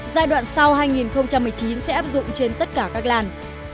giai đoạn sau hai nghìn một mươi chín sẽ áp dụng trên tất cả các làn